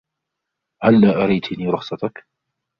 هلا أريتني رخصتك ؟